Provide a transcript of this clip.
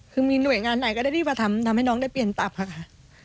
คือมีหน่วยงานไหนก็ได้ที่มาทำให้น้องได้เปลี่ยนตับค่ะ